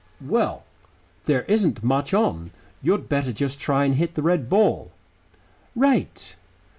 "Well, there isn't much on. You'd better just try and hit the red ball." "Right."